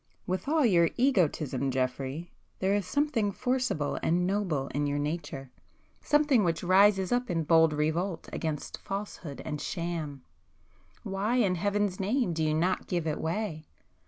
"With all your egotism, Geoffrey, there is something forcible and noble in your nature,—something which rises [p 292] up in bold revolt against falsehood and sham. Why, in Heaven's name do you not give it way?"